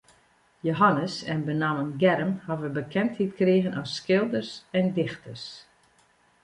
Jehannes en benammen Germ hawwe bekendheid krigen as skilders en dichters.